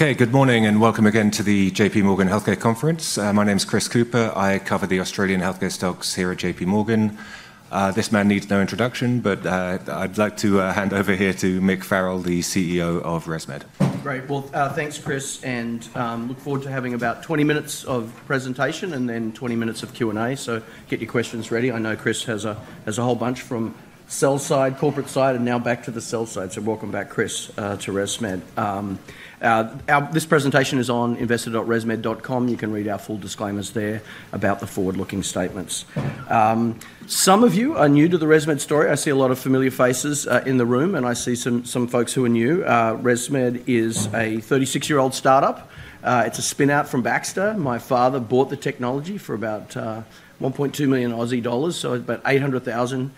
Okay, good morning and welcome again to the J.P. Morgan Healthcare Conference. My name is Chris Cooper. I cover the Australian healthcare stocks here at J.P. Morgan. This man needs no introduction, but I'd like to hand over here to Mick Farrell, the CEO of ResMed. Great. Well, thanks, Chris, and look forward to having about 20 minutes of presentation and then 20 minutes of Q&A, so get your questions ready. I know Chris has a whole bunch from the sell side, corporate side, and now back to the sell side, so welcome back, Chris, to ResMed. This presentation is on investor.resmed.com. You can read our full disclaimers there about the forward-looking statements. Some of you are new to the ResMed story. I see a lot of familiar faces in the room, and I see some folks who are new. ResMed is a 36-year-old startup. It's a spin-out from Baxter. My father bought the technology for about 1.2 million Aussie dollars, so about $800,000.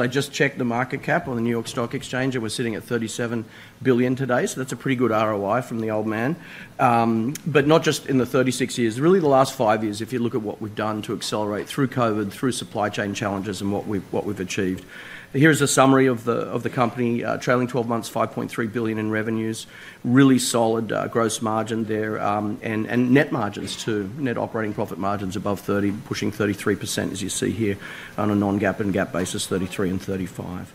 I just checked the market cap on the New York Stock Exchange, and we're sitting at $37 billion today, so that's a pretty good ROI from the old man. But not just in the 36 years, really the last five years, if you look at what we've done to accelerate through COVID, through supply chain challenges, and what we've achieved. Here is a summary of the company: trailing 12 months, $5.3 billion in revenues, really solid gross margin there, and net margins too, net operating profit margins above 30, pushing 33% as you see here on a non-GAAP and GAAP basis, 33% and 35%.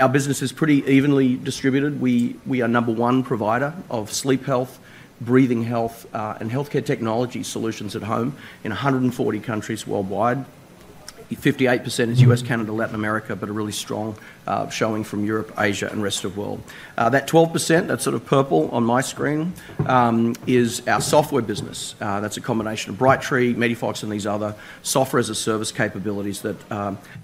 Our business is pretty evenly distributed. We are number one provider of sleep health, breathing health, and healthcare technology solutions at home in 140 countries worldwide. 58% is US, Canada, Latin America, but a really strong showing from Europe, Asia, and the rest of the world. That 12%, that sort of purple on my screen, is our software business. That's a combination of Brightree, MEDIFOX DAN, and these other software-as-a-service capabilities that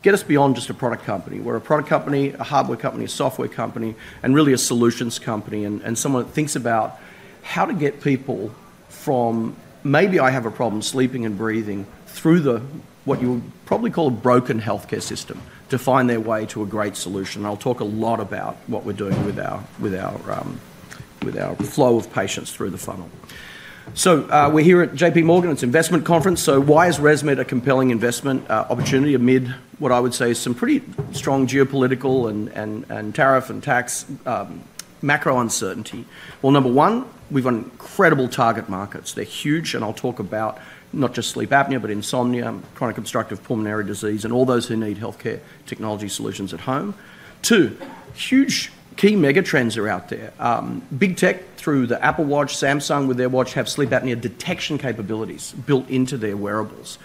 get us beyond just a product company. We're a product company, a hardware company, a software company, and really a solutions company, and someone that thinks about how to get people from maybe I have a problem sleeping and breathing through what you would probably call a broken healthcare system to find their way to a great solution. I'll talk a lot about what we're doing with our flow of patients through the funnel. So we're here at J.P. Morgan. It's Healthcare Conference, so why is ResMed a compelling investment opportunity amid what I would say is some pretty strong geopolitical and tariff and tax macro uncertainty? Number one, we've got incredible target markets. They're huge, and I'll talk about not just sleep apnea, but insomnia, chronic obstructive pulmonary disease, and all those who need healthcare technology solutions at home. Two, huge key megatrends are out there. Big Tech, through the Apple Watch, Samsung with their watch, have sleep apnea detection capabilities built into their wearables.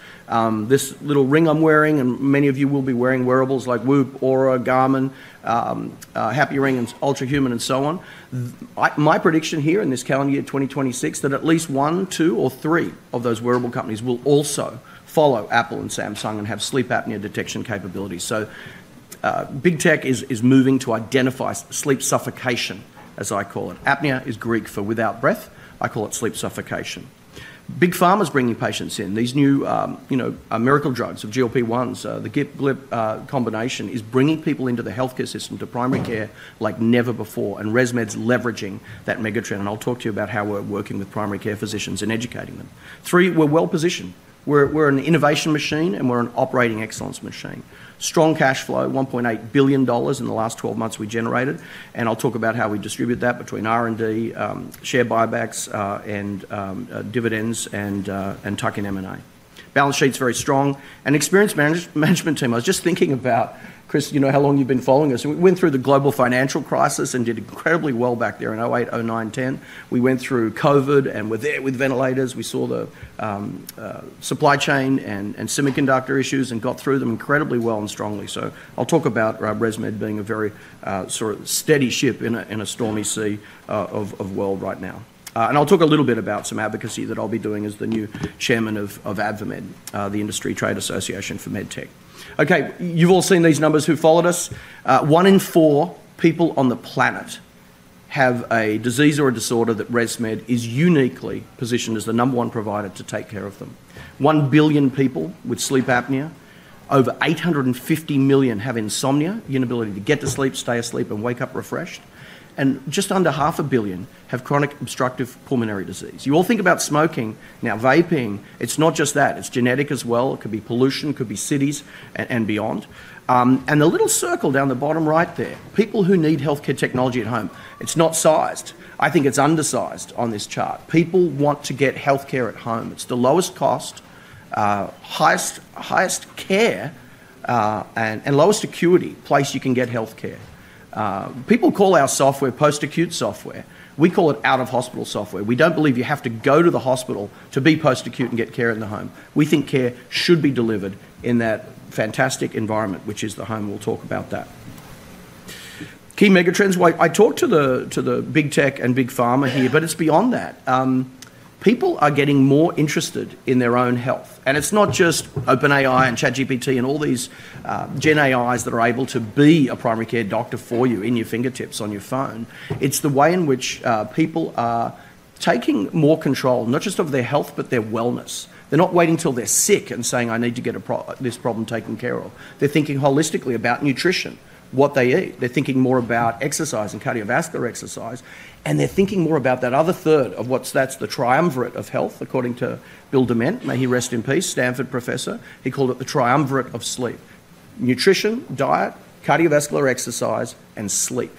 This little ring I'm wearing, and many of you will be wearing wearables like WHOOP, Oura, Garmin, Happy Ring, and Ultrahuman, and so on. My prediction here in this calendar year, 2026, that at least one, two, or three of those wearable companies will also follow Apple and Samsung and have sleep apnea detection capabilities. So Big Tech is moving to identify sleep suffocation, as I call it. Apnea is Greek for without breath. I call it sleep suffocation. Big Pharma's bringing patients in. These new miracle drugs of GLP-1s, the GIP-GLP combination, is bringing people into the healthcare system to primary care like never before, and ResMed's leveraging that megatrend, and I'll talk to you about how we're working with primary care physicians and educating them. Three, we're well positioned. We're an innovation machine, and we're an operating excellence machine. Strong cash flow, $1.8 billion in the last 12 months we generated, and I'll talk about how we distribute that between R&D, share buybacks, and dividends, and tuck in M&A. Balance sheet's very strong. An experienced management team. I was just thinking about, Chris, you know how long you've been following us. We went through the global financial crisis and did incredibly well back there in 2008, 2009, 2010. We went through COVID, and we're there with ventilators. We saw the supply chain and semiconductor issues and got through them incredibly well and strongly. So I'll talk about ResMed being a very sort of steady ship in a stormy sea of world right now. And I'll talk a little bit about some advocacy that I'll be doing as the new chairman of AdvaMed, the Industry Trade Association for MedTech. Okay, you've all seen these numbers who followed us. One in four people on the planet have a disease or a disorder that ResMed is uniquely positioned as the number one provider to take care of them. One billion people with sleep apnea, over 850 million have insomnia, the inability to get to sleep, stay asleep, and wake up refreshed, and just under half a billion have chronic obstructive pulmonary disease. You all think about smoking. Now, vaping, it's not just that. It's genetic as well. It could be pollution, it could be cities, and beyond, and the little circle down the bottom right there, people who need healthcare technology at home. It's not sized. I think it's undersized on this chart. People want to get healthcare at home. It's the lowest cost, highest care, and lowest acuity place you can get healthcare. People call our software post-acute software. We call it out-of-hospital software. We don't believe you have to go to the hospital to be post-acute and get care in the home. We think care should be delivered in that fantastic environment, which is the home. We'll talk about that. Key megatrends. I talked to the Big Tech and Big Pharma here, but it's beyond that. People are getting more interested in their own health, and it's not just OpenAI and ChatGPT and all these GenAIs that are able to be a primary care doctor for you in your fingertips on your phone. It's the way in which people are taking more control, not just of their health, but their wellness. They're not waiting until they're sick and saying, "I need to get this problem taken care of." They're thinking holistically about nutrition, what they eat. They're thinking more about exercise and cardiovascular exercise, and they're thinking more about that other third of what's the triumvirate of health, according to Bill Dement, may he rest in peace, Stanford professor. He called it the triumvirate of sleep. Nutrition, diet, cardiovascular exercise, and sleep.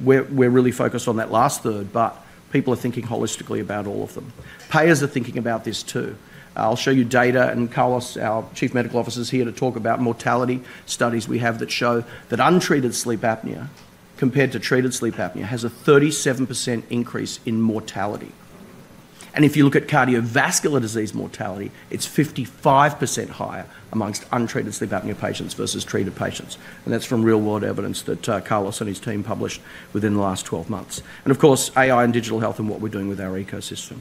We're really focused on that last third, but people are thinking holistically about all of them. Payers are thinking about this too. I'll show you data, and Carlos, our Chief Medical Officer, is here to talk about mortality studies we have that show that untreated sleep apnea, compared to treated sleep apnea, has a 37% increase in mortality, and if you look at cardiovascular disease mortality, it's 55% higher amongst untreated sleep apnea patients versus treated patients, and that's from real-world evidence that Carlos and his team published within the last 12 months, and of course, AI and digital health and what we're doing with our ecosystem.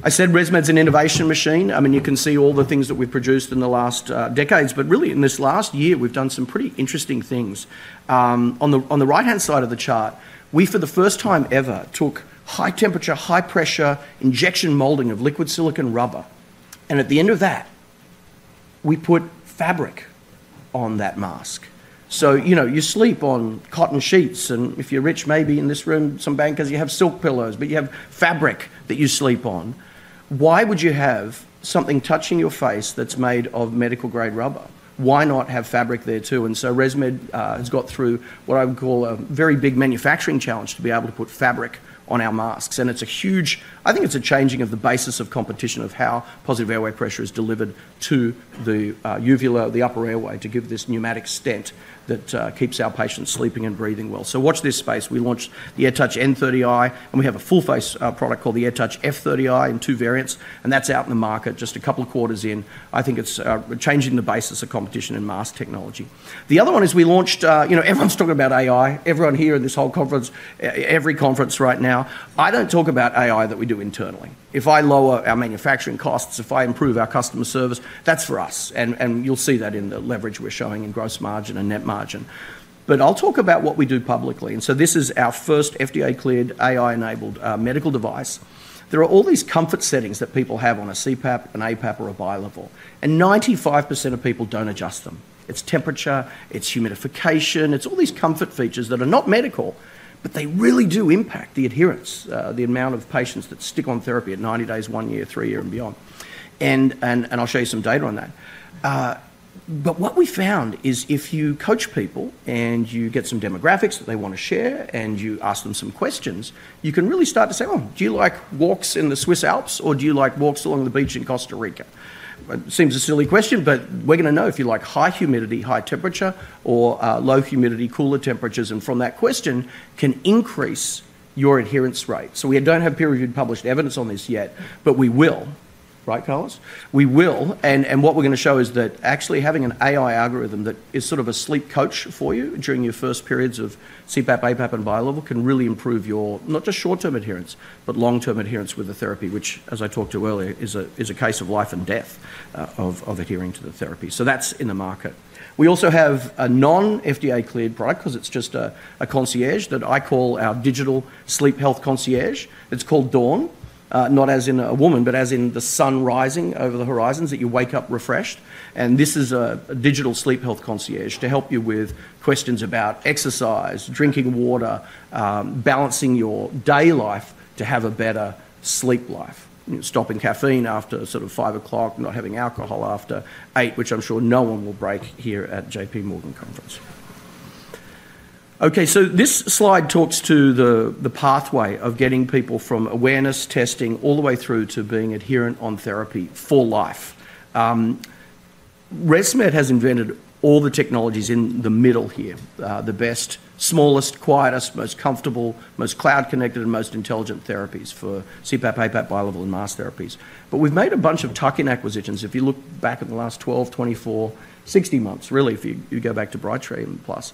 I said ResMed's an innovation machine. I mean, you can see all the things that we've produced in the last decades, but really in this last year, we've done some pretty interesting things. On the right-hand side of the chart, we, for the first time ever, took high-temperature, high-pressure injection molding of liquid silicone rubber, and at the end of that, we put fabric on that mask. So you sleep on cotton sheets, and if you're rich, maybe in this room, some bankers, you have silk pillows, but you have fabric that you sleep on. Why would you have something touching your face that's made of medical-grade rubber? Why not have fabric there too? And so ResMed has got through what I would call a very big manufacturing challenge to be able to put fabric on our masks, and it's a huge. I think it's a changing of the basis of competition of how positive airway pressure is delivered to the uvula, the upper airway, to give this pneumatic stent that keeps our patients sleeping and breathing well. So watch this space. We launched the AirTouch N30i, and we have a full-face product called the AirTouch F30i in two variants, and that's out in the market just a couple of quarters in. I think it's changing the basis of competition in mask technology. The other one is we launched everyone's talking about AI. Everyone here in this whole conference, every conference right now, I don't talk about AI that we do internally. If I lower our manufacturing costs, if I improve our customer service, that's for us, and you'll see that in the leverage we're showing in gross margin and net margin. But I'll talk about what we do publicly, and so this is our first FDA-cleared, AI-enabled medical device. There are all these comfort settings that people have on a CPAP, an APAP, or a bi-level, and 95% of people don't adjust them. It's temperature, it's humidification, it's all these comfort features that are not medical, but they really do impact the adherence, the amount of patients that stick on therapy at 90 days, one year, three years, and beyond. And I'll show you some data on that. But what we found is if you coach people and you get some demographics that they want to share and you ask them some questions, you can really start to say, "Oh, do you like walks in the Swiss Alps or do you like walks along the beach in Costa Rica?" It seems a silly question, but we're going to know if you like high humidity, high temperature, or low humidity, cooler temperatures, and from that question can increase your adherence rate. So we don't have peer-reviewed published evidence on this yet, but we will, right, Carlos? We will, and what we're going to show is that actually having an AI algorithm that is sort of a sleep coach for you during your first periods of CPAP, APAP, and bi-level can really improve your not just short-term adherence, but long-term adherence with the therapy, which, as I talked to earlier, is a case of life and death of adhering to the therapy. So that's in the market. We also have a non-FDA-cleared product because it's just a concierge that I call our digital sleep health concierge. It's called Dawn, not as in a woman, but as in the sun rising over the horizons that you wake up refreshed, and this is a digital sleep health concierge to help you with questions about exercise, drinking water, balancing your day life to have a better sleep life, stopping caffeine after sort of five o'clock, not having alcohol after eight, which I'm sure no one will break here at J.P. Morgan Conference. Okay, so this slide talks to the pathway of getting people from awareness, testing, all the way through to being adherent on therapy for life. ResMed has invented all the technologies in the middle here, the best, smallest, quietest, most comfortable, most cloud-connected, and most intelligent therapies for CPAP, APAP, bi-level, and mask therapies. But we've made a bunch of tuck-in acquisitions. If you look back at the last 12, 24, 60 months, really, if you go back to Brightree and Plus,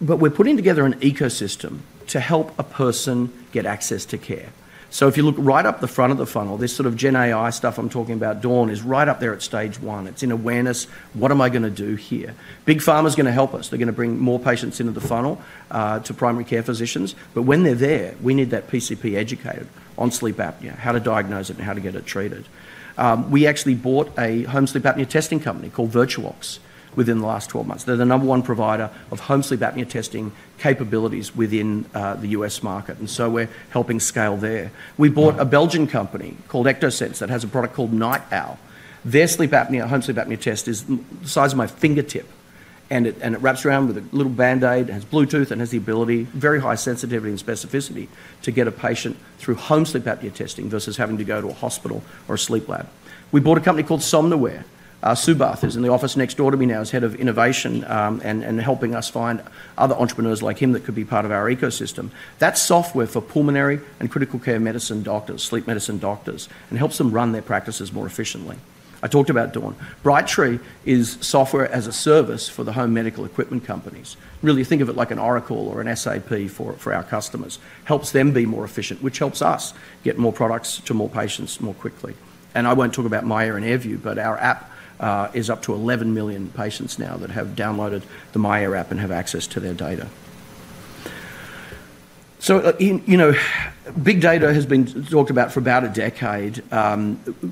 but we're putting together an ecosystem to help a person get access to care, so if you look right up the front of the funnel, this sort of GenAI stuff I'm talking about, Dawn, is right up there at stage one. It's in awareness, what am I going to do here? Big Pharma's going to help us. They're going to bring more patients into the funnel to primary care physicians, but when they're there, we need that PCP educated on sleep apnea, how to diagnose it, and how to get it treated. We actually bought a home sleep apnea testing company called Virtuox within the last 12 months. They're the number one provider of home sleep apnea testing capabilities within the U.S. market, and so we're helping scale there. We bought a Belgian company called Ectosense that has a product called NightOwl. Their home sleep apnea test is the size of my fingertip, and it wraps around with a little Band-Aid, has Bluetooth, and has the ability, very high sensitivity and specificity, to get a patient through home sleep apnea testing versus having to go to a hospital or a sleep lab. We bought a company called Somnoware. Subath is in the office next door to me now as head of innovation and helping us find other entrepreneurs like him that could be part of our ecosystem. That's software for pulmonary and critical care medicine doctors, sleep medicine doctors, and helps them run their practices more efficiently. I talked about Dawn. Brightree is software as a service for the home medical equipment companies. Really, think of it like an Oracle or an SAP for our customers. Helps them be more efficient, which helps us get more products to more patients more quickly. I won't talk about myAir and AirView, but our app is up to 11 million patients now that have downloaded the myAir app and have access to their data. Big data has been talked about for about a decade.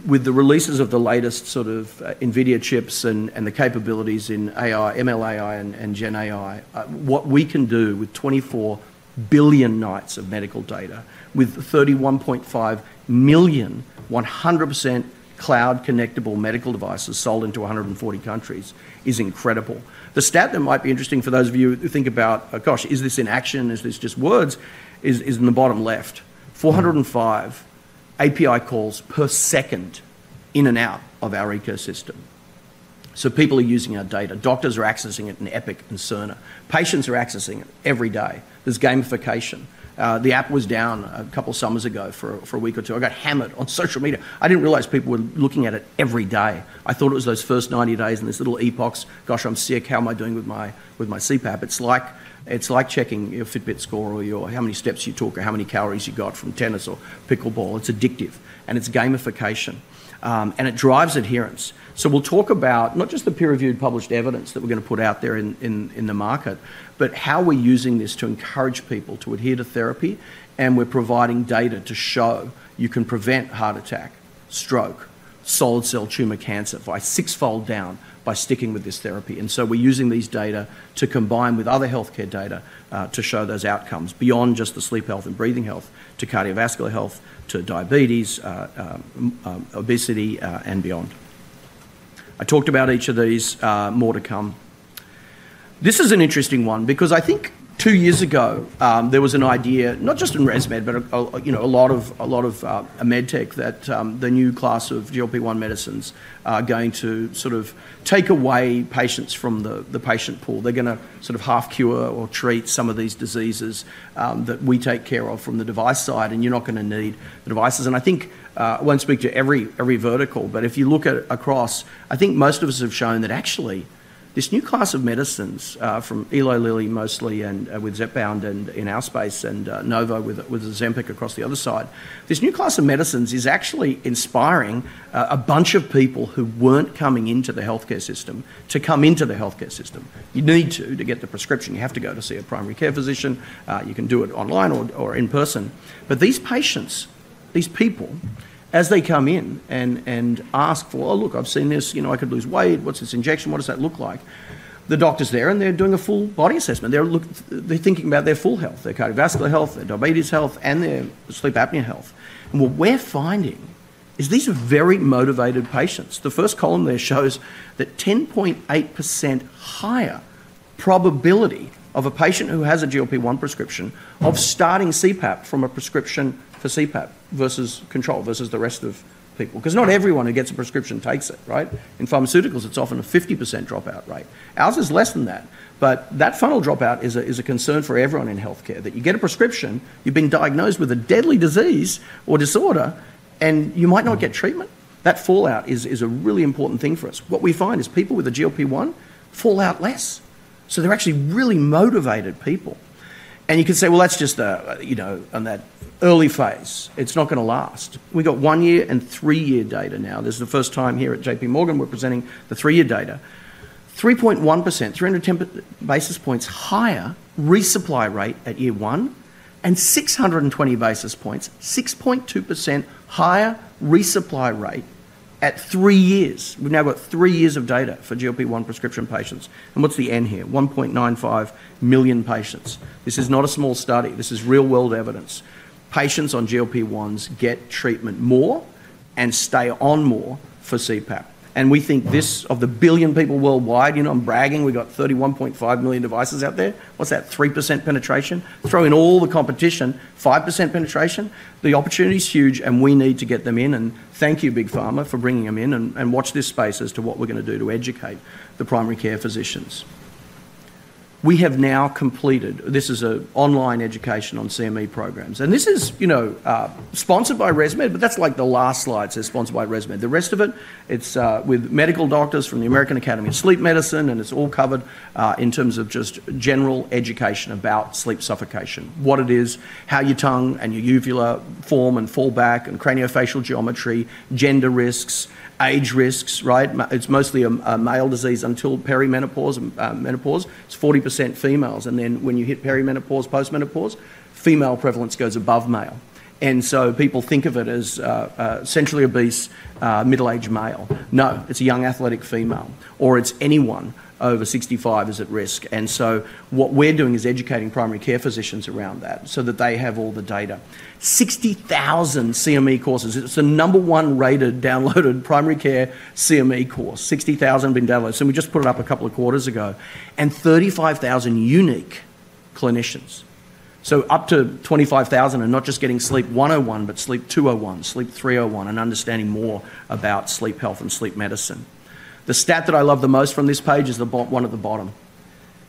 With the releases of the latest sort of NVIDIA chips and the capabilities in ML AI and GenAI, what we can do with 24 billion nights of medical data, with 31.5 million, 100% cloud-connectable medical devices sold into 140 countries, is incredible. The stat that might be interesting for those of you who think about, "Oh gosh, is this in action? Is this just words?" is in the bottom left. 405 API calls per second in and out of our ecosystem. People are using our data. Doctors are accessing it in Epic and Cerner. Patients are accessing it every day. There's gamification. The app was down a couple of summers ago for a week or two. I got hammered on social media. I didn't realize people were looking at it every day. I thought it was those first 90 days and this little epoch, "Gosh, I'm sick. How am I doing with my CPAP?" It's like checking your Fitbit score or how many steps you took or how many calories you got from tennis or pickleball. It's addictive, and it's gamification, and it drives adherence. So we'll talk about not just the peer-reviewed published evidence that we're going to put out there in the market, but how we're using this to encourage people to adhere to therapy, and we're providing data to show you can prevent heart attack, stroke, solid cell tumor cancer by six-fold down by sticking with this therapy. And so we're using these data to combine with other healthcare data to show those outcomes beyond just the sleep health and breathing health to cardiovascular health, to diabetes, obesity, and beyond. I talked about each of these more to come. This is an interesting one because I think two years ago there was an idea, not just in ResMed, but a lot of MedTech, that the new class of GLP-1 medicines are going to sort of take away patients from the patient pool. They're going to sort of half-cure or treat some of these diseases that we take care of from the device side, and you're not going to need the devices. And I think I won't speak to every vertical, but if you look across, I think most of us have shown that actually this new class of medicines from Eli Lilly mostly and with Zepbound and in our space and Novo with Ozempic across the other side, this new class of medicines is actually inspiring a bunch of people who weren't coming into the healthcare system to come into the healthcare system. You need to get the prescription. You have to go to see a primary care physician. You can do it online or in person. But these patients, these people, as they come in and ask for, "Oh look, I've seen this. I could lose weight. What's this injection? What does that look like?" The doctor's there and they're doing a full body assessment. They're thinking about their full health, their cardiovascular health, their diabetes health, and their sleep apnea health. And what we're finding is these are very motivated patients. The first column there shows that 10.8% higher probability of a patient who has a GLP-1 prescription of starting CPAP from a prescription for CPAP versus control versus the rest of people. Because not everyone who gets a prescription takes it, right? In pharmaceuticals, it's often a 50% dropout rate. Ours is less than that, but that funnel dropout is a concern for everyone in healthcare. That you get a prescription, you've been diagnosed with a deadly disease or disorder, and you might not get treatment. That fallout is a really important thing for us. What we find is people with a GLP-1 fall out less. They're actually really motivated people. You can say, "Well, that's just on that early phase. It's not going to last." We've got one-year and three-year data now. This is the first time here at J.P. Morgan we're presenting the three-year data. 3.1%, 310 basis points higher resupply rate at year one, and 620 basis points, 6.2% higher resupply rate at three years. We've now got three years of data for GLP-1 prescription patients. What's the n here? 1.95 million patients. This is not a small study. This is real-world evidence. Patients on GLP-1s get treatment more and stay on more for CPAP. We think this out of the billion people worldwide, I'm bragging, we've got 31.5 million devices out there. What's that? 3% penetration? Throw in all the competition, 5% penetration. The opportunity's huge, and we need to get them in. Thank you, Big Pharma, for bringing them in and watch this space as to what we're going to do to educate the primary care physicians. We have now completed. This is an online education on CME programs. This is sponsored by ResMed, but that's like the last slides are sponsored by ResMed. The rest of it, it's with medical doctors from the American Academy of Sleep Medicine, and it's all covered in terms of just general education about sleep apnea, what it is, how your tongue and your uvula form and fall back, and craniofacial geometry, gender risks, age risks, right? It's mostly a male disease until perimenopause and menopause. It's 40% females. Then when you hit perimenopause, postmenopause, female prevalence goes above male. So people think of it as centrally obese, middle-aged male. No, it's a young athletic female, or it's anyone over 65, is at risk. And so what we're doing is educating primary care physicians around that so that they have all the data. 60,000 CME courses. It's the number one rated downloaded primary care CME course. 60,000 have been downloaded. So we just put it up a couple of quarters ago. And 35,000 unique clinicians. So up to 25,000 are not just getting Sleep 101, but Sleep 201, Sleep 301, and understanding more about sleep health and sleep medicine. The stat that I love the most from this page is the one at the bottom.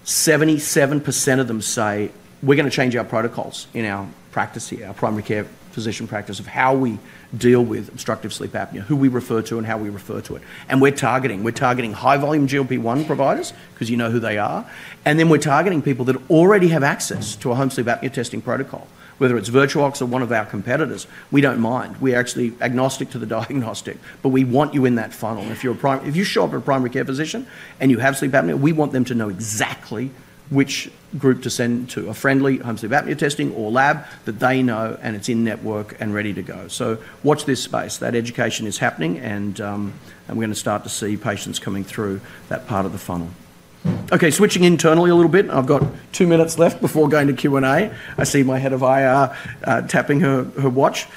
77% of them say, "We're going to change our protocols in our practice here, our primary care physician practice of how we deal with obstructive sleep apnea, who we refer to, and how we refer to it." And we're targeting. We're targeting high-volume GLP-1 providers because you know who they are. And then we're targeting people that already have access to a home sleep apnea testing protocol, whether it's Virtuox or one of our competitors. We don't mind. We're actually agnostic to the diagnostic, but we want you in that funnel. And if you show up at a primary care physician and you have sleep apnea, we want them to know exactly which group to send to, a friendly home sleep apnea testing or lab that they know, and it's in network and ready to go. So watch this space. That education is happening, and we're going to start to see patients coming through that part of the funnel. Okay, switching internally a little bit. I've got two minutes left before going to Q&A. I see my head of IR tapping her watch.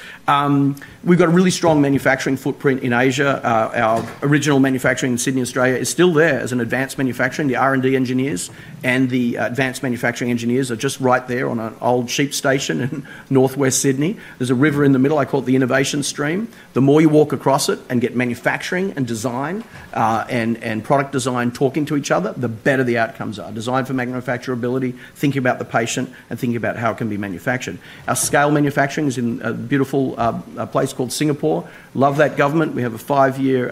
We've got a really strong manufacturing footprint in Asia. Our original manufacturing in Sydney, Australia is still there as an advanced manufacturing. The R&D engineers and the advanced manufacturing engineers are just right there on an old sheep station in northwest Sydney. There's a river in the middle. I call it the innovation stream. The more you walk across it and get manufacturing and design and product design talking to each other, the better the outcomes are. Design for manufacturability, thinking about the patient and thinking about how it can be manufactured. Our scale manufacturing is in a beautiful place called Singapore. Love that government. We have a five-year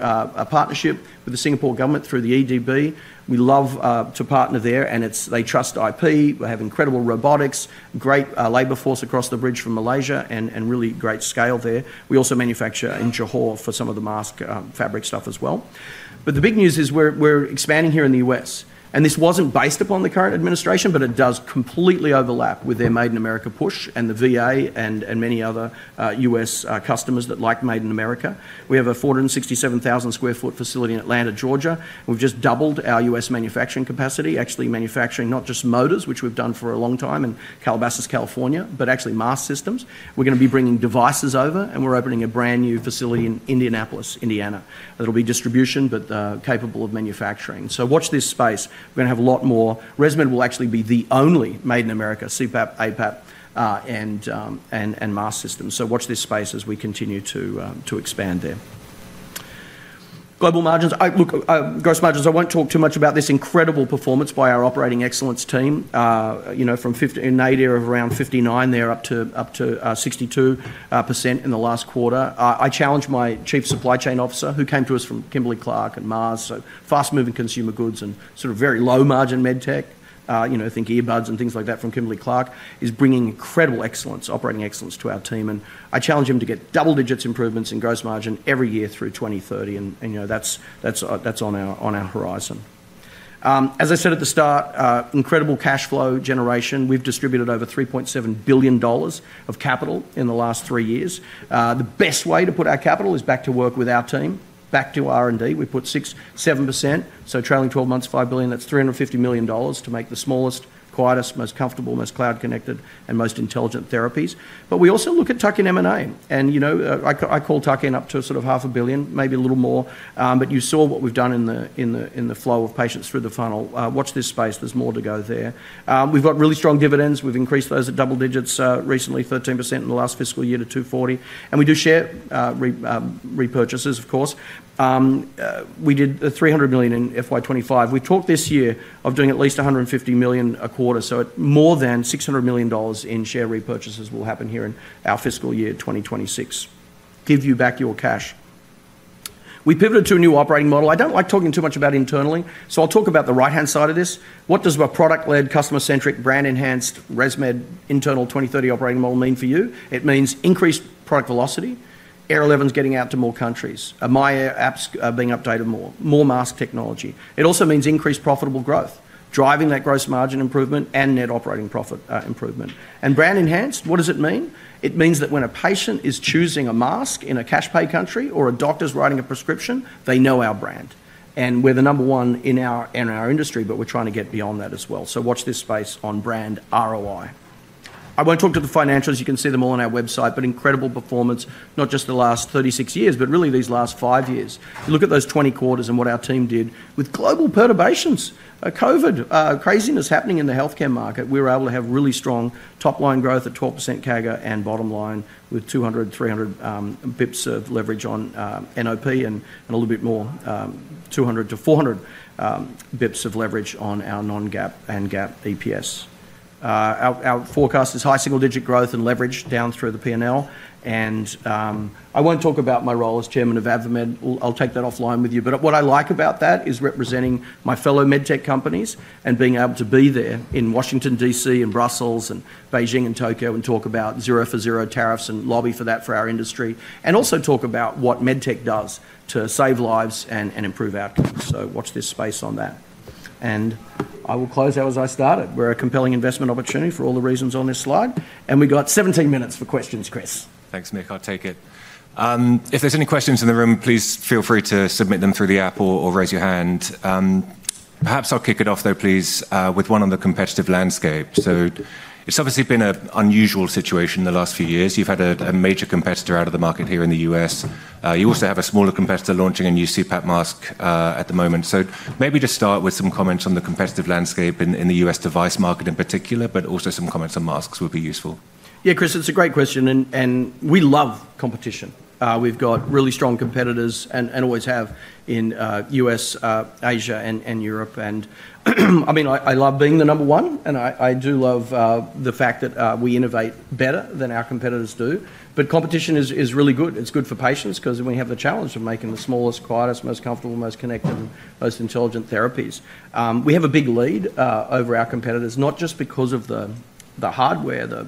partnership with the Singapore government through the EDB. We love to partner there, and they trust IP. We have incredible robotics, great labor force across the bridge from Malaysia, and really great scale there. We also manufacture in Johor for some of the mask fabric stuff as well. But the big news is we're expanding here in the U.S. And this wasn't based upon the current administration, but it does completely overlap with their Made in America push and the VA and many other U.S. customers that like Made in America. We have a 467,000 sq ft facility in Atlanta, Georgia. We've just doubled our U.S. manufacturing capacity, actually manufacturing not just motors, which we've done for a long time in Calabasas, California, but actually mask systems. We're going to be bringing devices over, and we're opening a brand new facility in Indianapolis, Indiana. It'll be distribution, but capable of manufacturing. So watch this space. We're going to have a lot more. ResMed will actually be the only Made in America CPAP, APAP, and mask systems. So watch this space as we continue to expand there. Global margins. Look, gross margins. I won't talk too much about this incredible performance by our operating excellence team from an A-tier of around 59% there up to 62% in the last quarter. I challenged my Chief Supply Chain Officer who came to us from Kimberly-Clark and Mars. So fast-moving consumer goods and sort of very low-margin MedTech, think earbuds and things like that from Kimberly-Clark, is bringing incredible excellence, operating excellence to our team, and I challenged him to get double-digit improvements in gross margin every year through 2030, and that's on our horizon. As I said at the start, incredible cash flow generation. We've distributed over $3.7 billion of capital in the last three years. The best way to put our capital is back to work with our team, back to R&D. We put 6-7%. Trailing 12 months, $5 billion. That's $350 million to make the smallest, quietest, most comfortable, most cloud-connected, and most intelligent therapies. But we also look at tuck-in M&A. And I call tuck-in up to sort of $500 million, maybe a little more. But you saw what we've done in the flow of patients through the funnel. Watch this space. There's more to go there. We've got really strong dividends. We've increased those at double digits recently, 13% in the last fiscal year to $2.40. And we do share repurchases, of course. We did $300 million in FY25. We've talked this year of doing at least $150 million a quarter. So more than $600 million in share repurchases will happen here in our fiscal year 2026. Give you back your cash. We pivoted to a new operating model. I don't like talking too much about internally, so I'll talk about the right-hand side of this. What does a product-led, customer-centric, brand-enhanced ResMed internal 2030 operating model mean for you? It means increased product velocity, Air 11s getting out to more countries, My Air apps being updated more, more mask technology. It also means increased profitable growth, driving that gross margin improvement and net operating profit improvement. And brand-enhanced, what does it mean? It means that when a patient is choosing a mask in a cash-pay country or a doctor's writing a prescription, they know our brand. And we're the number one in our industry, but we're trying to get beyond that as well. So watch this space on brand ROI. I won't talk to the financials. You can see them all on our website, but incredible performance, not just the last 36 years, but really these last five years. If you look at those 20 quarters and what our team did with global perturbations, COVID craziness happening in the healthcare market, we were able to have really strong top-line growth at 12% CAGR and bottom line with 200-300 basis points of leverage on NOP and a little bit more, 200-400 basis points of leverage on our non-GAAP and GAAP EPS. Our forecast is high single-digit growth and leverage down through the P&L. And I won't talk about my role as chairman of AdvaMed. I'll take that offline with you. But what I like about that is representing my fellow MedTech companies and being able to be there in Washington, D.C., and Brussels and Beijing and Tokyo and talk about zero for zero tariffs and lobby for that for our industry, and also talk about what MedTech does to save lives and improve outcomes. So watch this space on that. And I will close out as I started. We're a compelling investment opportunity for all the reasons on this slide. And we've got 17 minutes for questions, Chris. Thanks, Mick. I'll take it. If there's any questions in the room, please feel free to submit them through the app or raise your hand. Perhaps I'll kick it off though, please, with one on the competitive landscape. So it's obviously been an unusual situation in the last few years. You've had a major competitor out of the market here in the U.S. You also have a smaller competitor launching a new CPAP mask at the moment. So maybe to start with some comments on the competitive landscape in the U.S. device market in particular, but also some comments on masks would be useful. Yeah, Chris, it's a great question. And we love competition. We've got really strong competitors and always have in U.S., Asia, and Europe. And I mean, I love being the number one, and I do love the fact that we innovate better than our competitors do. But competition is really good. It's good for patients because we have the challenge of making the smallest, quietest, most comfortable, most connected, and most intelligent therapies. We have a big lead over our competitors, not just because of the hardware,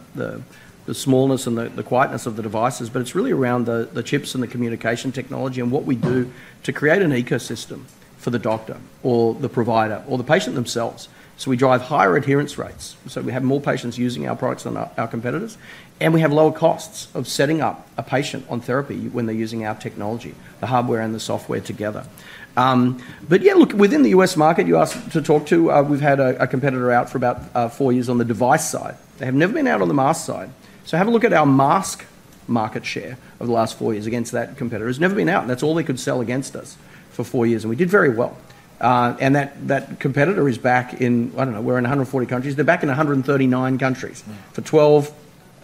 the smallness, and the quietness of the devices, but it's really around the chips and the communication technology and what we do to create an ecosystem for the doctor or the provider or the patient themselves. So we drive higher adherence rates. So we have more patients using our products than our competitors. And we have lower costs of setting up a patient on therapy when they're using our technology, the hardware and the software together. But yeah, look, within the U.S. market, you asked to talk to, we've had a competitor out for about four years on the device side. They have never been out on the mask side. So have a look at our mask market share over the last four years against that competitor. It's never been out. That's all they could sell against us for four years. And we did very well. And that competitor is back in, I don't know, we're in 140 countries. They're back in 139 countries for 12,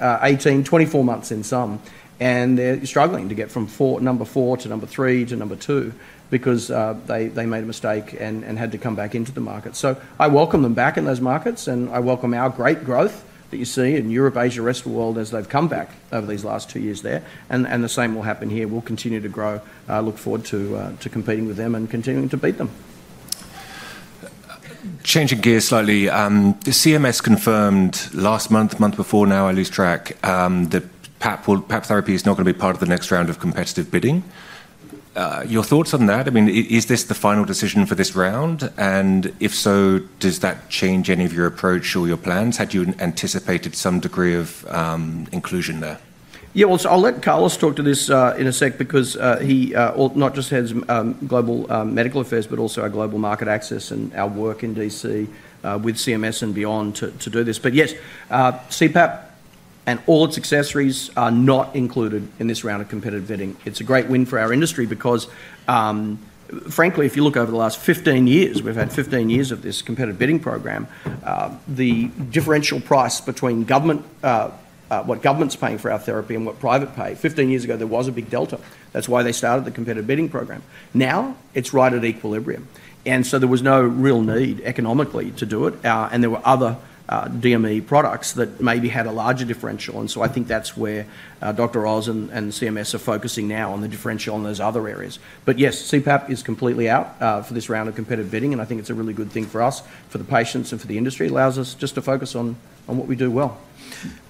18, 24 months in sum. And they're struggling to get from number four to number three to number two because they made a mistake and had to come back into the market. So I welcome them back in those markets, and I welcome our great growth that you see in Europe, Asia, rest of the world as they've come back over these last two years there. And the same will happen here. We'll continue to grow. I look forward to competing with them and continuing to beat them. Changing gears slightly. The CMS confirmed last month, month before now, I lose track, that PAP therapy is not going to be part of the next round of competitive bidding. Your thoughts on that? I mean, is this the final decision for this round? And if so, does that change any of your approach or your plans? Had you anticipated some degree of inclusion there? Yeah, well, I'll let Carlos talk to this in a sec because he not just has global medical affairs, but also our global market access and our work in D.C. with CMS and beyond to do this. But yes, CPAP and all its accessories are not included in this round of competitive bidding. It's a great win for our industry because, frankly, if you look over the last 15 years, we've had 15 years of this competitive bidding program. The differential price between what governments pay for our therapy and what private pay, 15 years ago, there was a big delta. That's why they started the competitive bidding program. Now it's right at equilibrium. And so there was no real need economically to do it. And there were other DME products that maybe had a larger differential. And so I think that's where Dr. Oz and CMS are focusing now on the differential in those other areas. But yes, CPAP is completely out for this round of competitive bidding. And I think it's a really good thing for us, for the patients and for the industry. It allows us just to focus on what we do well.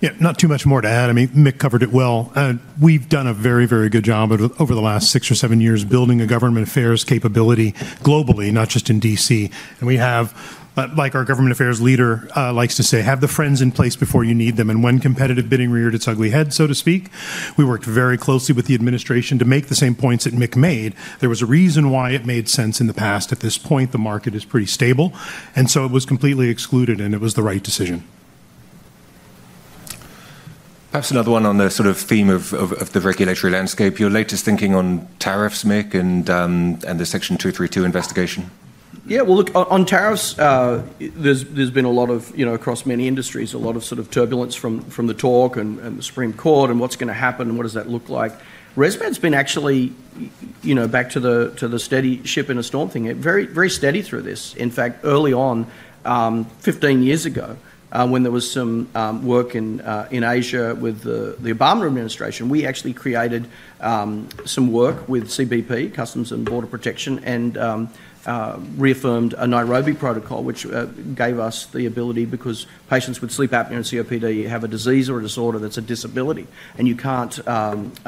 Yeah, not too much more to add. I mean, Mick covered it well. We've done a very, very good job over the last six or seven years building a government affairs capability globally, not just in D.C. And we have, like our government affairs leader likes to say, the friends in place before you need them. And when competitive bidding reared its ugly head, so to speak, we worked very closely with the administration to make the same points that Mick made. There was a reason why it made sense in the past. At this point, the market is pretty stable. And so it was completely excluded, and it was the right decision. Perhaps another one on the sort of theme of the regulatory landscape. Your latest thinking on tariffs, Mick, and the Section 232 investigation? Yeah, well, look, on tariffs, there's been a lot of, across many industries, a lot of sort of turbulence from the talk and the Supreme Court and what's going to happen and what does that look like. ResMed's been actually back to the steady ship in a storm thing. Very steady through this. In fact, early on, 15 years ago, when there was some work in Asia with the Obama administration, we actually created some work with CBP, Customs and Border Protection, and reaffirmed a Nairobi Protocol, which gave us the ability because patients with sleep apnea and COPD have a disease or a disorder that's a disability, and you can't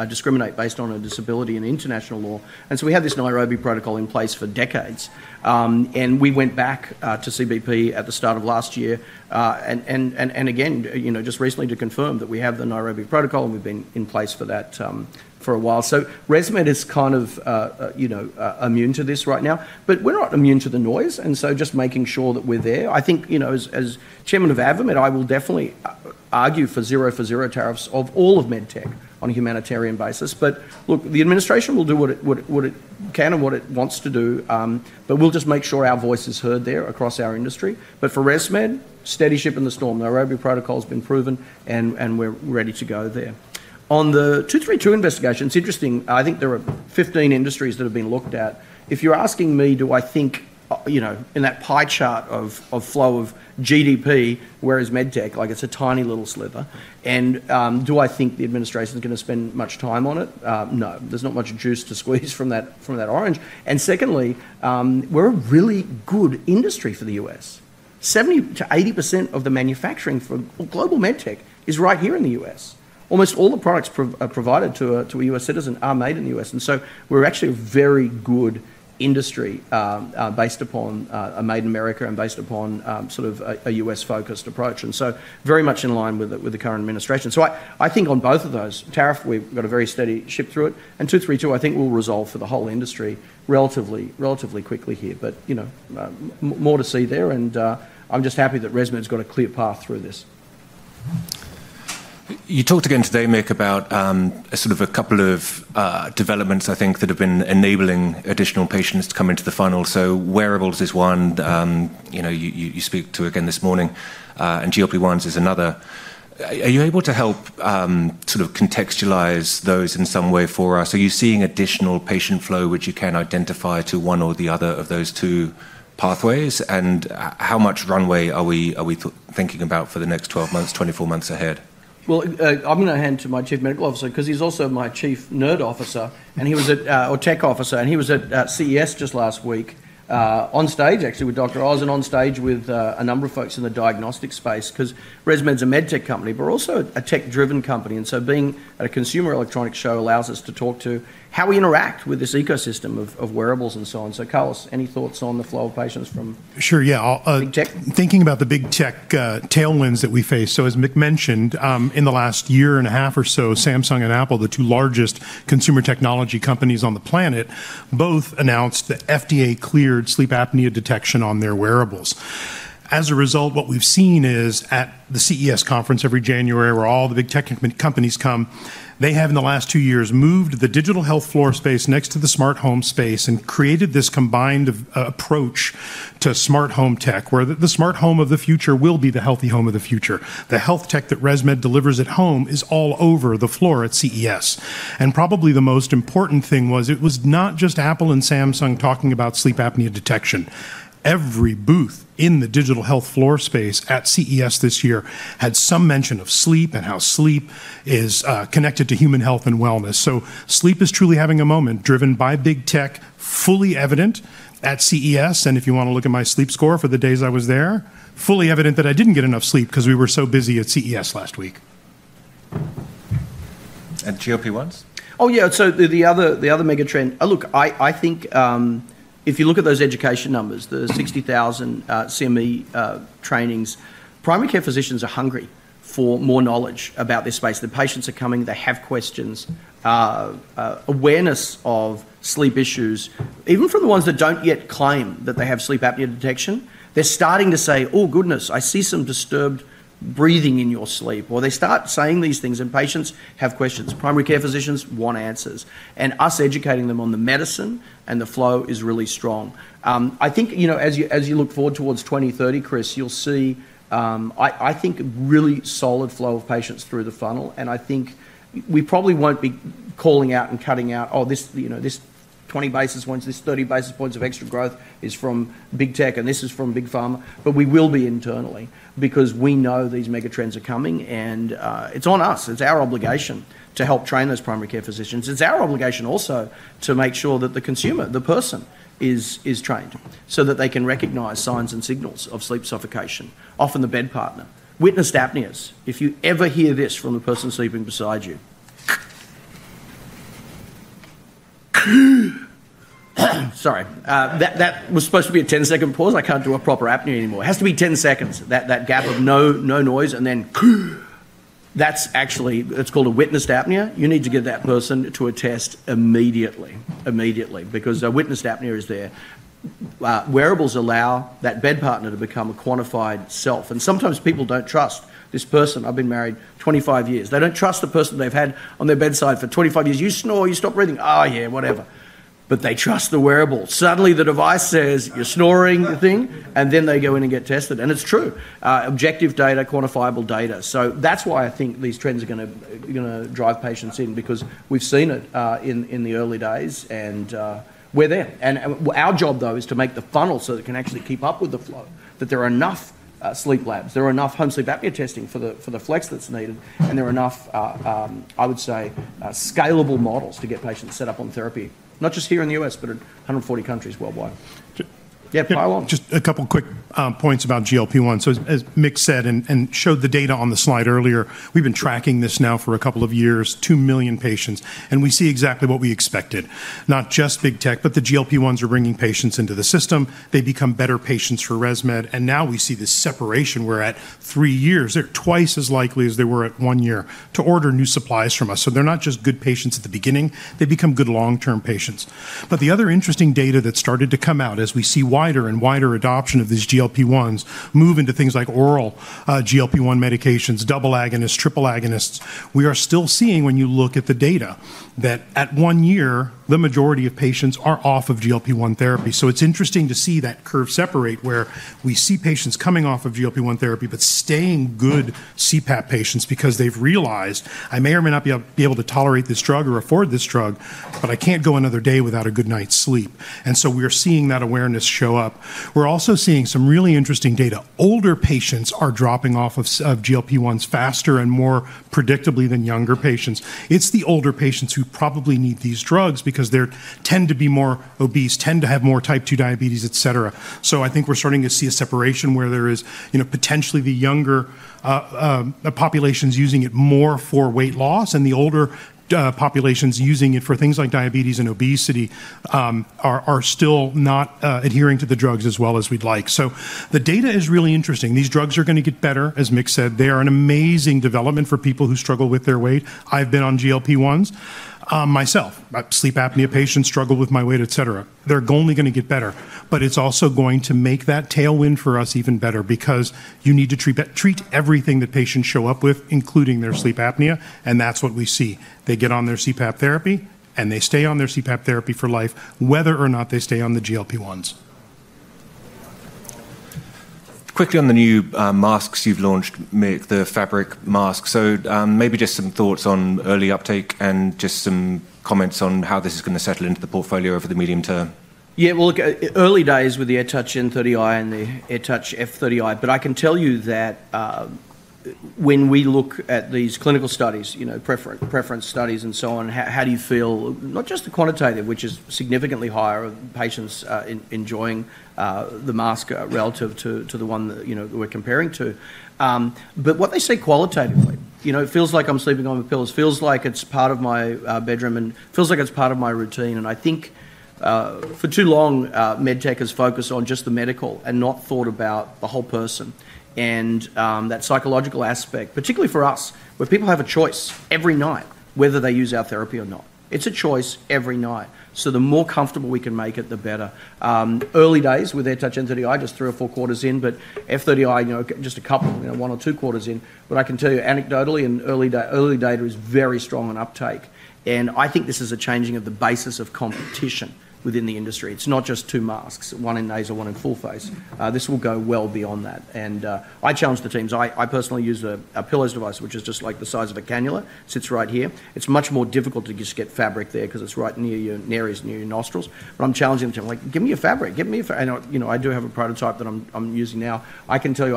discriminate based on a disability in international law, and so we had this Nairobi Protocol in place for decades and we went back to CBP at the start of last year. And again, just recently to confirm that we have the Nairobi Protocol, and we've been in place for that for a while. So ResMed is kind of immune to this right now. But we're not immune to the noise. And so just making sure that we're there. I think as chairman of AdvaMed, I will definitely argue for zero for zero tariffs of all of MedTech on a humanitarian basis. But look, the administration will do what it can and what it wants to do. But we'll just make sure our voice is heard there across our industry. But for ResMed, steady ship in the storm. Nairobi Protocol has been proven, and we're ready to go there. On the 232 investigation, it's interesting. I think there are 15 industries that have been looked at. If you're asking me, do I think in that pie chart of flow of GDP, where is MedTech? It's a tiny little sliver. Do I think the administration is going to spend much time on it? No. There's not much juice to squeeze from that orange. Secondly, we're a really good industry for the U.S. 70%-80% of the manufacturing for global MedTech is right here in the U.S. Almost all the products provided to a U.S. citizen are made in the U.S. We're actually a very good industry based upon a Made in America and based upon sort of a U.S.-focused approach. We're very much in line with the current administration. I think on both of those, tariff, we've got a very steady ship through it. 232, I think we'll resolve for the whole industry relatively quickly here. But, more to see there, and I'm just happy that ResMed's got a clear path through this. You talked again today, Mick, about sort of a couple of developments, I think, that have been enabling additional patients to come into the funnel. So wearables is one. You speak to, again, this morning. And GLP-1s is another. Are you able to help sort of contextualize those in some way for us? Are you seeing additional patient flow, which you can identify to one or the other of those two pathways? And how much runway are we thinking about for the next 12 months, 24 months ahead? Well, I'm going to hand to my Chief Medical Officer because he's also my chief nerd officer. And he was our tech officer. And he was at CES just last week on stage, actually with Dr. Oz and on stage with a number of folks in the diagnostic space because ResMed's a MedTech company, but also a tech-driven company. Being at a consumer electronics show allows us to talk to how we interact with this ecosystem of wearables and so on. Carlos, any thoughts on the flow of patients from Big Tech? Sure, yeah. Thinking about the Big Tech tailwinds that we face. As Mick mentioned, in the last year and a half or so, Samsung and Apple, the two largest consumer technology companies on the planet, both announced the FDA-cleared sleep apnea detection on their wearables. As a result, what we've seen is at the CES conference every January, where all the big tech companies come, they have, in the last two years, moved the digital health floor space next to the smart home space and created this combined approach to smart home tech, where the smart home of the future will be the healthy home of the future. The health tech that ResMed delivers at home is all over the floor at CES, and probably the most important thing was it was not just Apple and Samsung talking about sleep apnea detection. Every booth in the digital health floor space at CES this year had some mention of sleep and how sleep is connected to human health and wellness, so sleep is truly having a moment driven by Big Tech, fully evident at CES. If you want to look at my sleep score for the days I was there, it's fully evident that I didn't get enough sleep because we were so busy at CES last week. GLP-1s? Oh, yeah. The other mega trend, look, I think if you look at those education numbers, the 60,000 CME trainings. Primary care physicians are hungry for more knowledge about this space. The patients are coming. They have questions. Awareness of sleep issues, even from the ones that don't yet claim that they have sleep apnea detection, they're starting to say, "Oh, goodness, I see some disturbed breathing in your sleep." Or they start saying these things, and patients have questions. Primary care physicians want answers. And us educating them on the medicine and the flow is really strong. I think as you look forward towards 2030, Chris, you'll see, I think, a really solid flow of patients through the funnel. And I think we probably won't be calling out and cutting out, "Oh, this 20 basis points, this 30 basis points of extra growth is from Big Tech, and this is from Big Pharma." But we will be internally because we know these mega trends are coming. And it's on us. It's our obligation to help train those primary care physicians. It's our obligation also to make sure that the consumer, the person, is trained so that they can recognize signs and signals of sleep apnea, often the bed partner. Witnessed apneas. If you ever hear this from the person sleeping beside you. Sorry. That was supposed to be a 10-second pause. I can't do a proper apnea anymore. It has to be 10 seconds, that gap of no noise, and then that's actually called a witnessed apnea. You need to give that person to a test immediately, immediately, because a witnessed apnea is there. Wearables allow that bed partner to become a quantified self. And sometimes people don't trust this person. I've been married 25 years. They don't trust the person they've had on their bedside for 25 years. "You snore. You stop breathing." "Oh, yeah, whatever." But they trust the wearable. Suddenly, the device says, "You're snoring," and then they go in and get tested. And it's true. Objective data, quantifiable data. So that's why I think these trends are going to drive patients in, because we've seen it in the early days, and we're there. Our job, though, is to make the funnel so that it can actually keep up with the flow, that there are enough sleep labs, there are enough home sleep apnea testing for the flex that's needed, and there are enough, I would say, scalable models to get patients set up on therapy, not just here in the U.S., but in 140 countries worldwide. Yeah, Just a couple of quick points about GLP-1. So as Mick said and showed the data on the slide earlier, we've been tracking this now for a couple of years, 2 million patients. And we see exactly what we expected, not just Big Tech, but the GLP-1s are bringing patients into the system. They become better patients for ResMed. And now we see this separation. We're at three years. They're twice as likely as they were at one year to order new supplies from us. So they're not just good patients at the beginning. They become good long-term patients. But the other interesting data that started to come out as we see wider and wider adoption of these GLP-1s move into things like oral GLP-1 medications, double agonists, triple agonists, we are still seeing when you look at the data that at one year, the majority of patients are off of GLP-1 therapy. So it's interesting to see that curve separate where we see patients coming off of GLP-1 therapy but staying good CPAP patients because they've realized, "I may or may not be able to tolerate this drug or afford this drug, but I can't go another day without a good night's sleep." And so we are seeing that awareness show up. We're also seeing some really interesting data. Older patients are dropping off of GLP-1s faster and more predictably than younger patients. It's the older patients who probably need these drugs because they tend to be more obese, tend to have more type 2 diabetes, etc. So I think we're starting to see a separation where there is potentially the younger populations using it more for weight loss and the older populations using it for things like diabetes and obesity are still not adhering to the drugs as well as we'd like. So the data is really interesting. These drugs are going to get better, as Mick said. They are an amazing development for people who struggle with their weight. I've been on GLP-1s myself. Sleep apnea patients struggle with my weight, etc. They're only going to get better. But it's also going to make that tailwind for us even better because you need to treat everything that patients show up with, including their sleep apnea. And that's what we see. They get on their CPAP therapy, and they stay on their CPAP therapy for life, whether or not they stay on the GLP-1s. Quickly on the new masks you've launched, Mick, the fabric masks. So maybe just some thoughts on early uptake and just some comments on how this is going to settle into the portfolio over the medium term. Yeah, well, look, early days with the AirTouch N30i and the AirTouch F30i. But I can tell you that when we look at these clinical studies, preference studies and so on, how do you feel, not just the quantitative, which is significantly higher of patients enjoying the mask relative to the one that we're comparing to. But what they say qualitatively, it feels like I'm sleeping on my pillows. It feels like it's part of my bedroom and feels like it's part of my routine. And I think for too long, MedTech has focused on just the medical and not thought about the whole person and that psychological aspect, particularly for us, where people have a choice every night whether they use our therapy or not. It's a choice every night. So the more comfortable we can make it, the better. Early days with AirTouch N30i, just three or four quarters in, but AirTouch F30i, just a couple, one or two quarters in. But I can tell you anecdotally, early data is very strong in uptake. And I think this is a changing of the basis of competition within the industry. It's not just two masks, one in nasal, one in full face. This will go well beyond that, and I challenge the teams. I personally use a pillow device, which is just like the size of a cannula. It sits right here. It's much more difficult to just get fabric there because it's right near your nares, near your nostrils, but I'm challenging the team. I'm like, "Give me a fabric. Give me a fabric." I do have a prototype that I'm using now. I can tell you,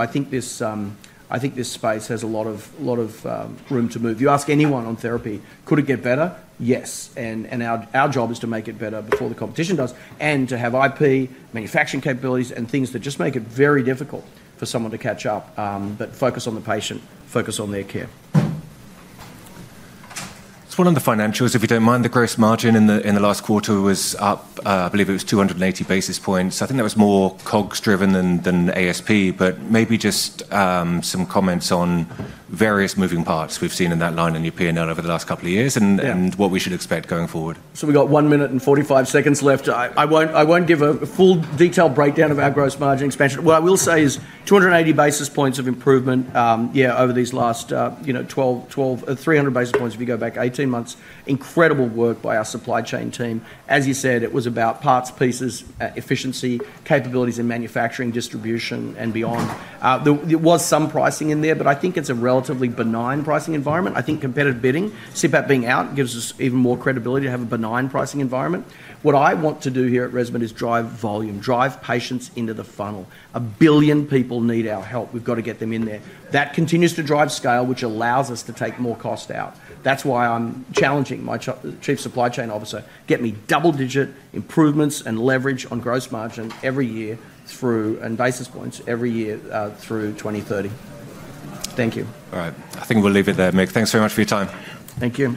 I think this space has a lot of room to move. You ask anyone on therapy, could it get better? Yes, and our job is to make it better before the competition does and to have IP, manufacturing capabilities, and things that just make it very difficult for someone to catch up but focus on the patient, focus on their care. It's one of the financials, if you don't mind. The gross margin in the last quarter was up. I believe it was 280 basis points. I think that was more COGS-driven than ASP, but maybe just some comments on various moving parts we've seen in that line in your P&L over the last couple of years and what we should expect going forward, so we've got one minute and 45 seconds left. I won't give a full detailed breakdown of our gross margin expansion. What I will say is 280 basis points of improvement, yeah, over these last 12, 300 basis points if you go back 18 months. Incredible work by our supply chain team. As you said, it was about parts, pieces, efficiency, capabilities in manufacturing, distribution, and beyond. There was some pricing in there, but I think it's a relatively benign pricing environment. I think competitive bidding, CPAP being out, gives us even more credibility to have a benign pricing environment. What I want to do here at ResMed is drive volume, drive patients into the funnel. A billion people need our help. We've got to get them in there. That continues to drive scale, which allows us to take more cost out. That's why I'm challenging my chief supply chain officer. Get me double-digit improvements and leverage on gross margin every year through and basis points every year through 2030. Thank you. All right. I think we'll leave it there, Mick. Thanks very much for your time. Thank you.